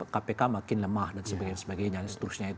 kpk makin lemah dan sebagainya